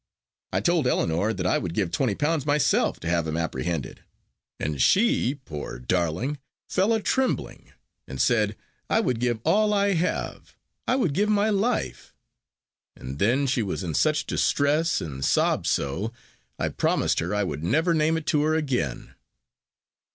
I told Ellinor that I would give twenty pounds myself to have him apprehended, and she, poor darling! fell a trembling, and said, 'I would give all I have I would give my life.' And then she was in such distress, and sobbed so, I promised her I would never name it to her again."